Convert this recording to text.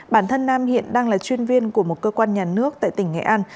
bản thân nam hiện đang là chuyên viên của một cơ quan nhà nước tại tỉnh nghệ an